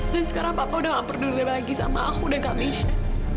dan sekarang papa udah gak peduli lagi sama aku dan kamesha